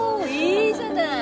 いいじゃない。